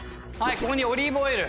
ここにオリーブオイル。